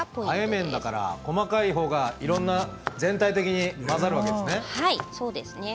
麺だから細かいほうが全体的に混ざるわけですね。